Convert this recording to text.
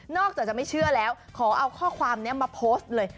อกจากจะไม่เชื่อแล้วขอเอาข้อความนี้มาโพสต์เลย